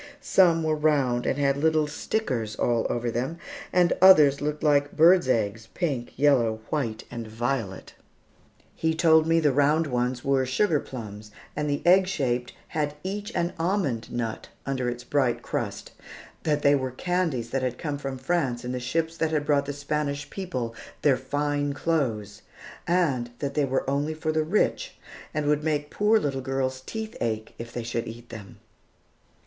Some were round and had little "stickers" all over them, and others looked like birds' eggs, pink, yellow, white, and violet. He told me the round ones were sugar plums, and the egg shaped had each an almond nut under its bright crust; that they were candies that had come from France in the ships that had brought the Spanish people their fine clothes; and that they were only for the rich, and would make poor little girls' teeth ache, if they should eat them.